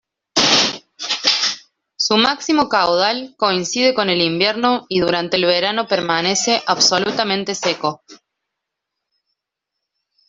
Su máximo caudal coincide con el invierno y durante el verano permanece absolutamente seco.